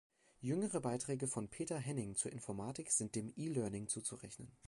Jüngere Beiträge von Peter Henning zur Informatik sind dem E-Learning zuzurechnen.